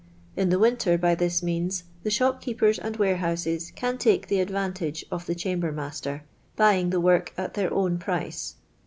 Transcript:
In the winter, by this means, the shopkeepers and warehouses can take the advantage of the cham ber^master, buying the work at their own price.